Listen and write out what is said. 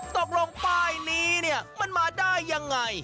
ตกลงป้ายนี้มันมาได้ยังไง